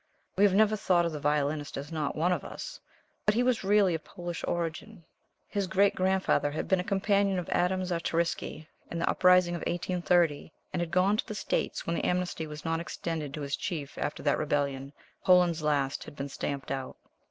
We had never thought of the Violinist as not one of us, but he was really of Polish origin. His great grandfather had been a companion of Adam Czartoriski in the uprising of 1830, and had gone to the States when the amnesty was not extended to his chief after that rebellion, Poland's last, had been stamped out.